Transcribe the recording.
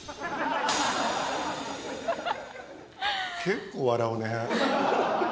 結構笑うね。